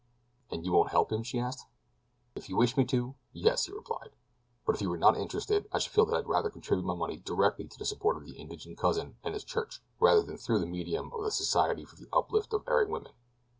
"And you won't help him?" she asked. "If you wish me to, yes," he replied; "but if you were not interested I should feel that I'd rather contribute my money directly to the support of his indigent cousin and his church rather than through the medium of the Society for the Uplift of Erring Women.